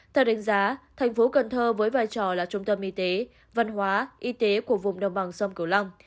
theo đánh giá thành phố cần thơ với vai trò là trung tâm y tế văn hóa y tế của vùng đồng bằng sông cửu long